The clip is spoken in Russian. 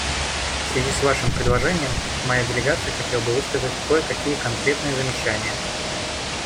В связи с вашим предложением моя делегация хотела бы высказать кое-какие конкретные замечания.